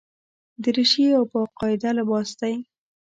دریشي یو باقاعده لباس دی.